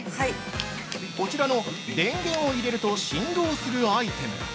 こちらの電源を入れると振動するアイテム。